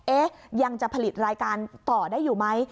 ยังจะผลิตรายการต่อได้อยู่ไหม